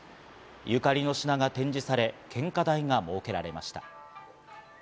ゆかりの品が展示され、献花台が設けられました。